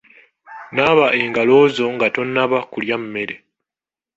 Naaba engalo zo nga tonnaba kulya mmere.